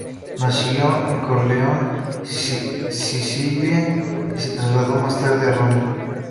Nació en Corleone, Sicilia, y se trasladó más tarde a Roma.